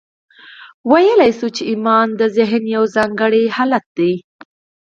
ویلای شو چې ایمان د ذهن یو ځانګړی حالت دی